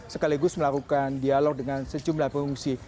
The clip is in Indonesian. sekaligus melakukan dialog dengan sejumlah pengungsi